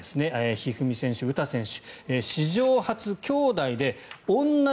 一二三選手、詩選手。